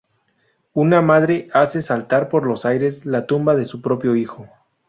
Una madre hace saltar por los aires la tumba de su propio hijo.